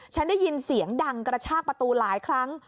ฉันได้ยินเสียงดังกระชากประตูหลายครั้ง